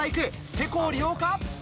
てこを利用か？